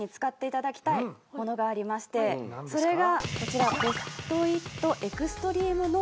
それがこちらです。